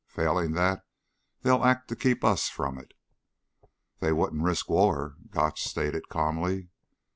Failing that, they'll act to keep us from it." "They wouldn't risk war," Gotch stated calmly.